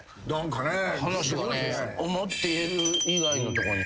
話がね思ってる以外のとこに。